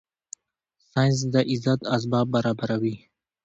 ساینس د عزت اسباب برابره وي